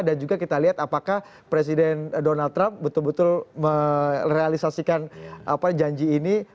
dan juga kita lihat apakah presiden donald trump betul betul merealisasikan janji ini